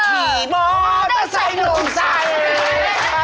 มีมอเตอร์ไซค์นุ่งไซค์